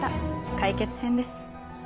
解決編です。